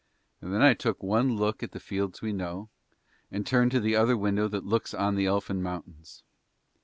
And then I took one look at the fields we know, and turned to the other window that looks on the elfin mountains.